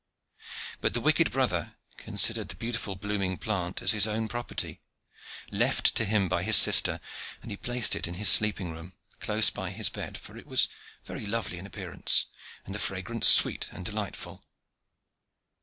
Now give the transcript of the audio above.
But the wicked brother considered the beautiful blooming plant as his own property, left to him by his sister, and he placed it in his sleeping room, close by his bed, for it was very lovely in appearance, and the fragrance sweet and delightful.